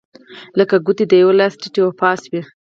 لکه ګوتې د یوه لاس ټیت و پاس وې.